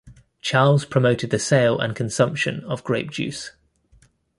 Charles promoted the sale and consumption of grape juice.